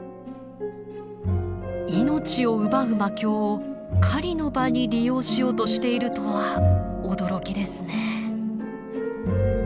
命を奪う魔境を狩りの場に利用しようとしているとは驚きですね。